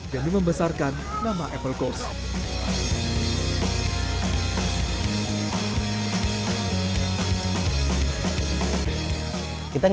jadi membesarkan nama apple coast